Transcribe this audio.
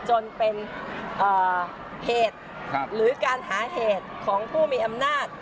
จนเป็นเหตุหรือการหาเหตุของผู้มีอำนาจ